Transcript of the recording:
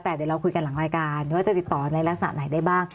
แต่เดี๋ยวเราคุยกันหลังรายการว่าจะติดต่อในลักษณะไหนได้บ้าง